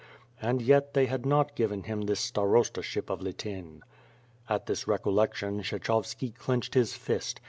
And yet they had not given him this starostaship of Lityn. At this recollection, Kshechovski clenched his fist.